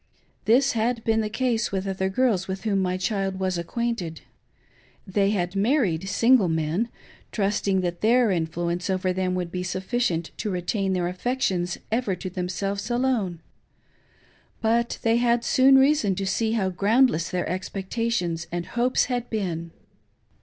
This had been the case with other girls with whom my child was acquainted. They had married single men, trusting that their influence over them would be sufficient to retain their affections ever to themselves alone ; but they had soon reason to see how ground less their expectations and hopes had been.